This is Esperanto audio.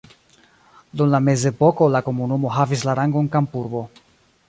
Dum la mezepoko la komunumo havis la rangon kampurbo.